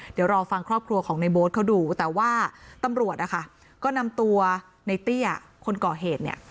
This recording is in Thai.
เดี๋ยวรอฟังครอบครัวของในโบ๊ทเขาดูแต่ว่าตำรวจนะคะก็นำตัวในเตี้ยคนก่อเหตุเนี่ย